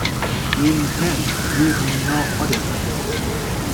You intend to give me no other notice?